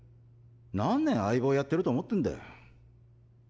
何年相棒やってると思ってんだ。